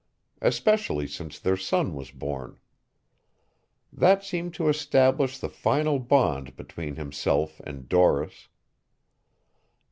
Especially since their son was born. That seemed to establish the final bond between himself and Doris.